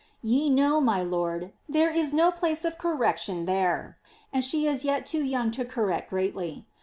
Ye know, my lord, there is no place of correction there; and f'." i* yet too young to correct greatly.